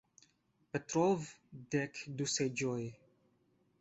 Petrov "Dek du seĝoj".